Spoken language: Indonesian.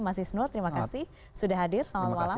mas isnur terima kasih sudah hadir selamat malam